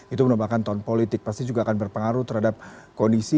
itu merupakan tahun politik pasti juga akan berpengaruh terhadap kondisi